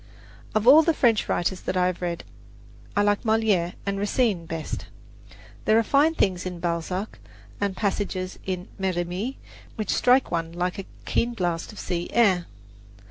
Of all the French writers that I have read, I like Moliere and Racine best. There are fine things in Balzac and passages in Merimee which strike one like a keen blast of sea air.